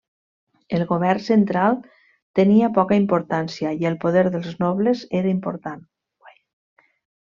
El govern central tenia poca importància i el poder dels nobles era important.